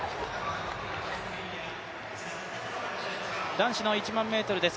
男子の１００００ｍです。